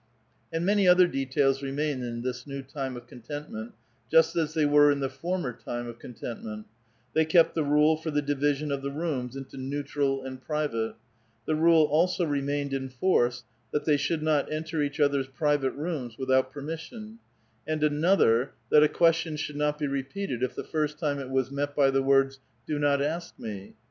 And many other details remain in this new time of con tentment just as they were in the former time of content ment ; they kept the rule for the division of the rooms into neutral and private ; the rule also remained in force that they should not enter each other's private rooms without per mission ; and another, that a question should not be repeated if the first time it was met by the words, '' Do not ask me."